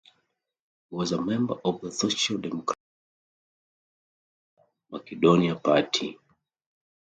He was a member of the Social Democratic Union of Macedonia party.